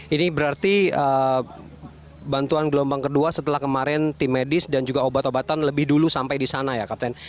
ini berarti bantuan gelombang kedua setelah kemarin tim medis dan juga obat obatan lebih dulu sampai di sana ya kapten